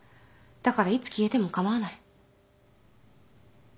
だからいつ消えても構わない